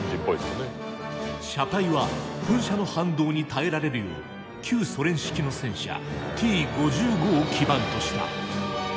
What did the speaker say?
車体は噴射の反動に耐えられるよう旧ソ連式の戦車「Ｔ５５」を基盤とした。